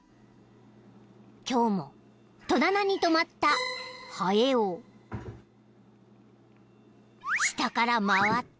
［今日も戸棚に止まったハエを下から回って］